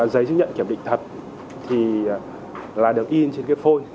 giấy chức nhận kiểm định thật là được in trên cái phôi